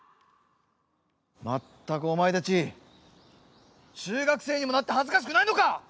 まったくおまえたち中学生にもなってはずかしくないのか？